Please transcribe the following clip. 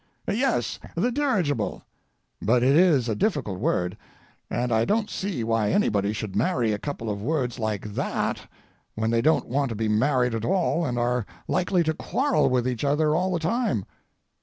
Yes, the dirigible—but it is a difficult word, and I don't see why anybody should marry a couple of words like that when they don't want to be married at all and are likely to quarrel with each other all the time.